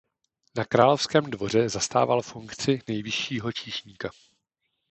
Na královském dvoře zastával funkci nejvyššího číšníka.